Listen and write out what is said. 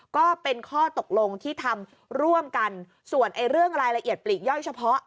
ก็เป็นข้อตกลงที่ทำร่วมกันส่วนเรื่องรายละเอียดปลีกย่อยเฉพาะ